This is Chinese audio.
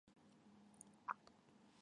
所属官员按照明朝土官的制度承袭。